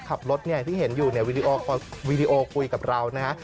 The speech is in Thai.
ขับรถที่เห็นอยู่วีดีโอคุยกับเรานะครับ